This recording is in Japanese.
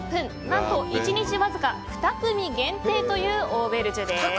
何と１日わずか２組限定というオーベルジュです。